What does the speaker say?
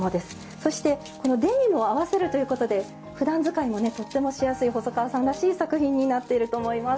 そしてこのデニムを合わせるということでふだん使いもとってもしやすい細川さんらしい作品になっていると思います。